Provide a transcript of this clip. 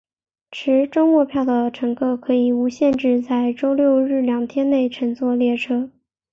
持周末票的乘客可以无限制在周六日两天内乘坐列车。